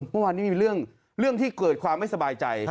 เมื่อวานนี้มีเรื่องที่เกิดความไม่สบายใจ